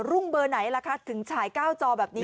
ลุ้งเบอร์ไหนค่ะถึงชายก้าวจอแบบนี้